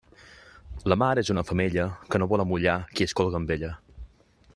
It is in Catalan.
La mar és una femella que no vol amollar qui es colga amb ella.